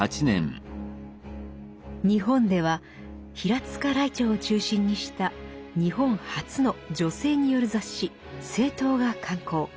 日本では平塚らいてうを中心にした日本初の女性による雑誌「青鞜」が刊行。